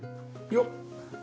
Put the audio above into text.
よっ。